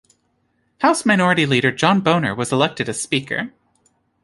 House Minority Leader John Boehner was elected as Speaker.